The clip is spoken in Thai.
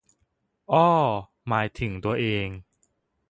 อ้อ หมายถึงตัวเอง